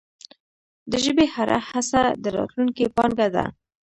د ژبي هره هڅه د راتلونکې پانګه ده.